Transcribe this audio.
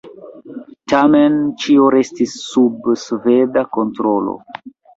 Tamen ĉio restis sub sveda kontrolo.